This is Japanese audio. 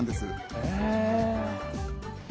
へえ。